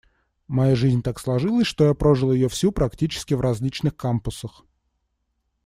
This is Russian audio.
Моя жизнь так сложилась, что я прожил ее всю практически в различных кампусах.